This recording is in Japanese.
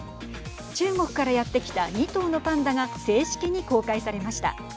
中国からやって来た２頭のパンダが正式に公開されました。